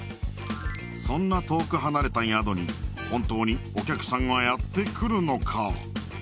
そんな遠く離れた宿に本当にお客さんはやってくるのか？